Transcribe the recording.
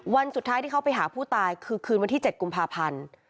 วันสุดท้ายที่เขาไปหาผู้ตายคือคืนวันที่๗กุมภาพันธ์